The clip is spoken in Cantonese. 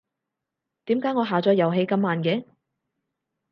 點解我下載遊戲咁慢嘅？